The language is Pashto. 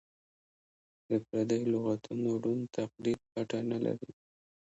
د پردیو لغتونو ړوند تقلید ګټه نه لري.